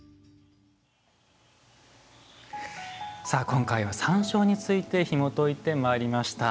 今回は山椒についてひもといてまいりました。